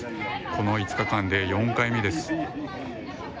この５日間で４回目です。